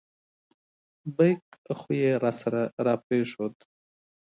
بیک خو یې راسره را پرېښود.